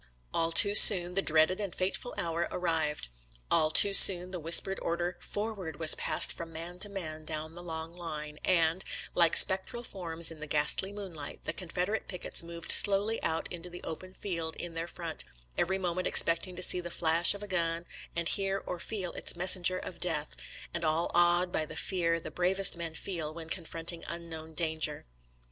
All too soon the dreaded and fateful hour ar rived ; all too soon the whispered order " For ward" was passed from man to man down the long line, and, like spectral forms in the ghastly moonlight, the Confederate pickets moved slowly out into the open field in their front, every mo ment expecting to see the flash of a gun and hear or feel its messenger of death, and all awed by the fear the bravest men feel when confront REMINISCENCES OF CHICKAMAUGA 145 ing unknown danger.